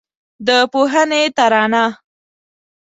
د پوهنې ترانه